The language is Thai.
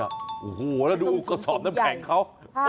โอ้โหแล้วดูกระสอบน้ำแข็งเขา